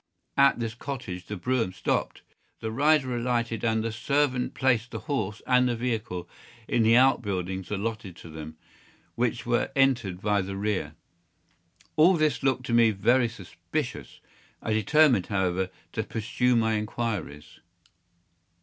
At this cottage the brougham stopped. The rider alighted, and the servant placed the horse and vehicle in the outbuildings allotted to them, which were entered by the rear. All this looked to me very suspicious. I determined, however, to pursue my inquiries.